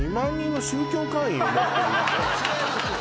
これ違いますよ！